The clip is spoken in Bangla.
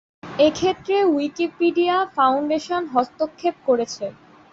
এক্ষেত্রে উইকিমিডিয়া ফাউন্ডেশন হস্তক্ষেপ করেছে।